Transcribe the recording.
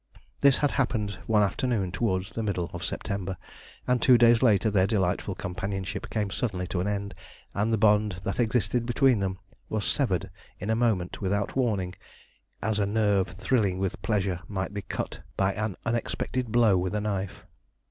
This had happened one afternoon towards the middle of September, and two days later their delightful companionship came suddenly to an end, and the bond that existed between them was severed in a moment without warning, as a nerve thrilling with pleasure might be cut by an unexpected blow with a knife.